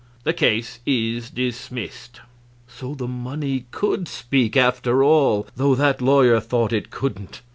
The case is dismissed." So the money could speak, after all, though that lawyer thought it couldn't.